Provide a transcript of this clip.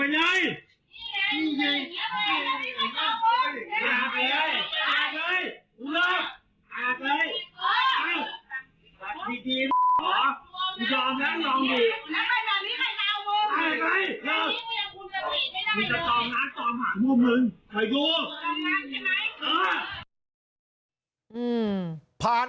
นี่ไง